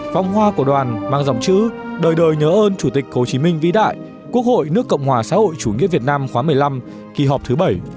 vòng hoa của đoàn mang dòng chữ đời đời nhớ ơn chủ tịch hồ chí minh vĩ đại quốc hội nước cộng hòa xã hội chủ nghĩa việt nam khóa một mươi năm kỳ họp thứ bảy